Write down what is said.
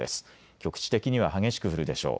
局地的には激しく降るでしょう。